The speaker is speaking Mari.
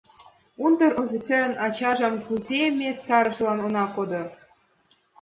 Унтер-офицерын ачажым кузе ме старостылан она кодо?